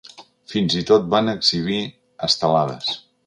Fins i tot van exhibir estelades.